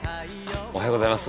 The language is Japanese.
おはようございます。